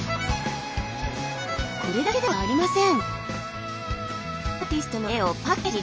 一番これだけではありません。